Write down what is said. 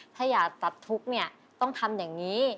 ถ้าอยากตัดทุกข์เนี่ยต้องทำอย่างนี้